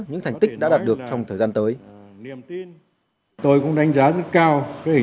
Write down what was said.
những thành tích đã đạt được trong thời gian tới tôi